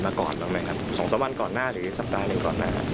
มาก่อนบ้างไหมครับ๒๓วันก่อนหน้าหรือสัปดาห์หนึ่งก่อนหน้านั้น